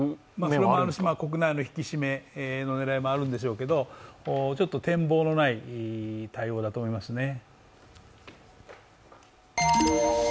それもあるし国内の引き締めの狙いもあるんでしょうけれどもちょっと展望のない対応だと思いますね。